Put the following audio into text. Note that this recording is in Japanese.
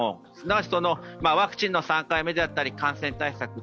すなわちワクチンの３回目であったり感染対策